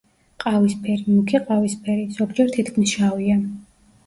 ყავისფერი, მუქი ყავისფერი, ზოგჯერ თითქმის შავია.